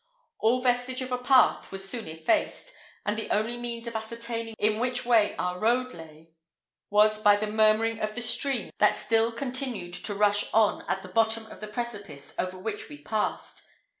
All vestige of a path was soon effaced, and the only means of ascertaining in which way our road lay, was by the murmuring of the stream that still continued to rush on at the bottom of the precipice over which we passed.